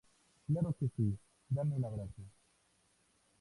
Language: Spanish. Claro que sí. Dame un abrazo.